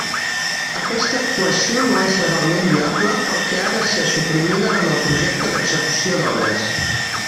Aquesta actuació no és legalment viable pel que ha de ser suprimida en el projecte d'execució d'obres.